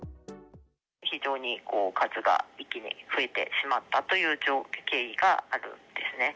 非常に数が一気に増えてしまったという情景があるんですね。